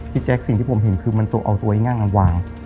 พี่แจ๊คสิ่งที่ผมเห็นคือมันเอาตัวไอ้งั่งนั้นวาง